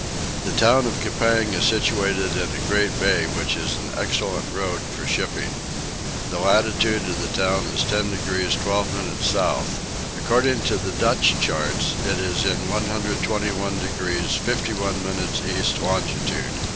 The town of Coupang is situated in a great bay which is an excellent road for shipping. The latitude of the town is 10 degrees 12 minutes south. According to the Dutch charts it is in 121 degrees 51 minutes east longitude.